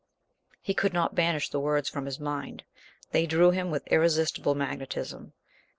He could not banish the words from his mind; they drew him with irresistible magnetism.